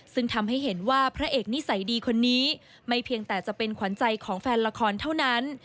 ซึ่งทำให้เห็นว่าพระเอกนิสัยดีคนนี้ไม่เพียงแต่จะเป็นขวัญใจของแฟนละครเท่านั้น